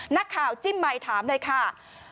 นักข่าวจิ้มไมค์ถามเลยค่ะ